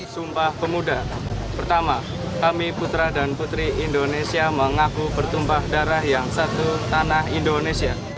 sumpah pemuda pertama kami putra dan putri indonesia mengaku bertumpah darah yang satu tanah indonesia